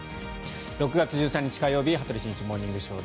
６月１３日、火曜日「羽鳥慎一モーニングショー」。